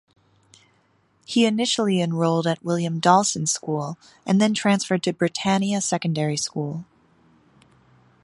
He initially enrolled at William Dawson School and then transferred to Britannia Secondary School.